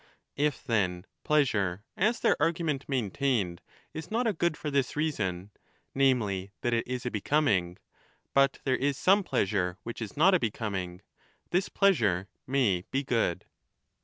If then pleasure, as their argument maintained, is not a good for this reason, namely, that it 20 is a becoming, but there is some pleasure which is not a becoming, this pleasure may be good.